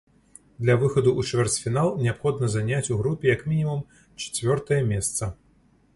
Для выхаду ў чвэрцьфінал неабходна заняць у групе як мінімум чацвёртае месца.